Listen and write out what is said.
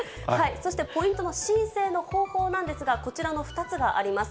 そしてポイントの申請の方法なんですが、こちらの２つがあります。